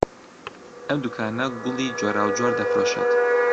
ئەم دوکانە گوڵی جۆراوجۆر دەفرۆشێت.